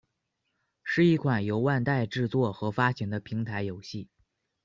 是一款由万代制作和发行的平台游戏。